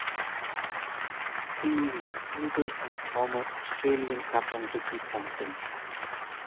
He is the uncle of former Australian captain Ricky Ponting.